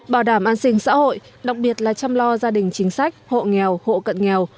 bảo đảm an sinh xã hội đặc biệt là chăm lo gia đình chính sách hộ nghèo hộ cận nghèo